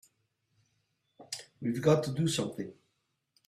We've got to do something!